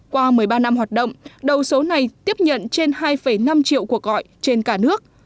qua một mươi ba năm hoạt động đầu số này tiếp nhận trên hai năm triệu cuộc gọi trên cả nước